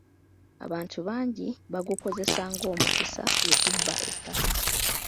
Abantu bangi baagukozesa ng'omukisa okubba ettaka.